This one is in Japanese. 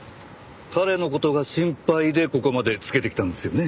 彼の事が心配でここまでつけてきたんですよね？